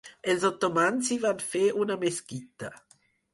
Els otomans hi van fer una mesquita.